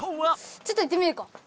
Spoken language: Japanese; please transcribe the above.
ちょっと行ってみるか。